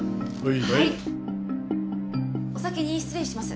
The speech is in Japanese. お先に失礼します。